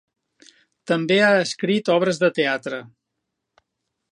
També ha escrit obres de teatre.